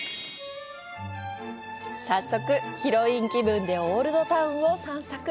早速、ヒロイン気分でオールドタウンを散策！